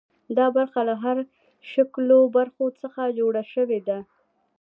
دا برخه له هرم شکلو برخو څخه جوړه شوې ده.